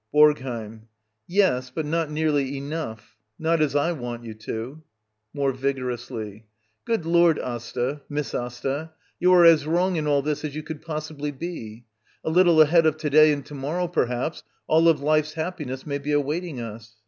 BoRGHEiM. Yes, but not nearly enough. Not as I want you to. [More vigorously.] Good Lord, Asta — Miss Asta — you are as wrong in all this as you could possibly be I A little ahead of to day v^d to morrow, perhaps, all of life's happiness may be awaiting us.